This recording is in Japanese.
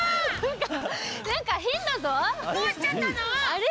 あれ？